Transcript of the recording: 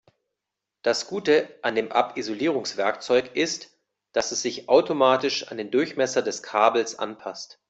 Das Gute an dem Abisolierwerkzeug ist, dass es sich automatisch an den Durchmesser des Kabels anpasst.